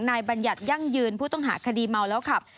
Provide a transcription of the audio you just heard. บัญญัติยั่งยืนผู้ต้องหาคดีเมาแล้วขับ